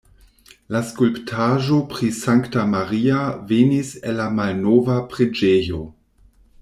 La skulptaĵo pri Sankta Maria venis el la malnova preĝejo.